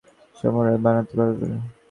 তুমি বলেছিলে আমাকে একটা সামুরাই বানাতে পারবে।